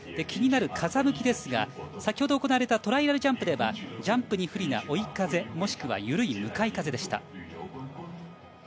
気になる風向きですが先ほど行われたトライアルジャンプではジャンプに不利な追い風もしくは緩い向かい風でした。